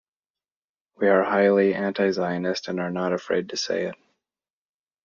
We are highly anti-Zionist and are not afraid to say it.